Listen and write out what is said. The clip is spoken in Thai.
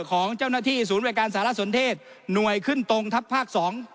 ของเจ้าหน้าที่ศูนย์บริการสารสนเทศหน่วยขึ้นตรงทัพภาค๒